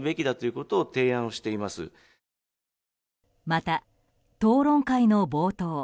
また、討論会の冒頭